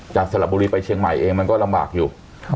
สลับบุรีไปเชียงใหม่เองมันก็ลำบากอยู่